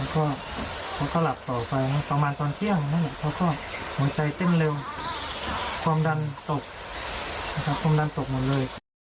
เขาก็หลับต่อไปประมาณตอนเที่ยงนั่นแหละเขาก็หัวใจเต้นเร็วความดันตกนะครับความดันตกหมดเลย